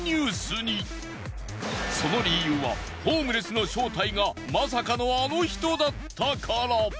その理由はホームレスの正体がまさかのアノ人だったから。